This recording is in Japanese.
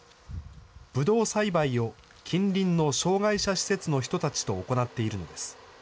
ブドウ栽培を近隣の障害者施設の人たちと行っているのです。